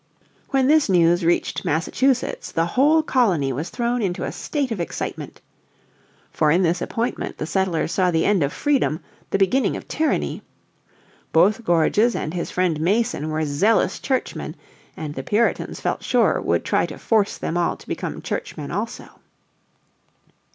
When this news reached Massachusetts the whole colony was thrown into a state of excitement. For in this appointment the settlers saw the end of freedom, the beginning of tyranny. Both Gorges and his friend Mason were zealous Churchmen and the Puritans felt sure would try to force them all to become Churchmen also.